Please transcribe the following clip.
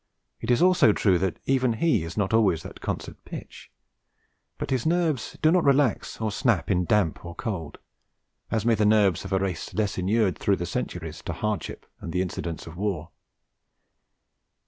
It is also true that even he is not always at concert pitch; but his nerves do not relax or snap in damp or cold, as may the nerves of a race less inured through the centuries to hardship and the incidence of war.